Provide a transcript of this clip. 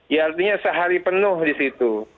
ya artinya sehari penuh disitu